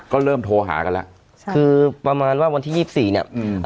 ก็เริ่มโทรหากันแล้วใช่คือประมาณว่าวันที่ยี่สิบสี่เนี้ยอืม